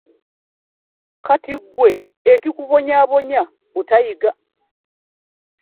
Kati ggwe ekikubonyaabonya butayiga.